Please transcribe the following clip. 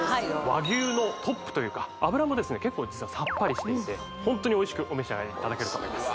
和牛のトップというか脂もですね結構実はさっぱりしていておいしくお召し上がりいただけると思います